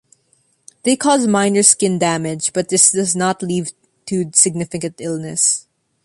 They cause minor skin damage, but this does not lead to significant illness.